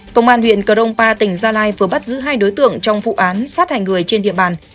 công an huyện cờ rông pa tỉnh gia lai vừa bắt giữ hai đối tượng trong vụ án sát hành người trên địa bàn